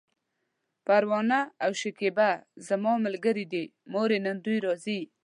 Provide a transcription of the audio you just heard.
پروانه او شکيبه زما ملګرې دي، مورې! نن دوی راځي!